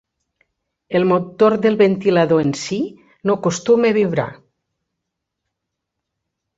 El motor del ventilador en sí no acostuma a vibrar.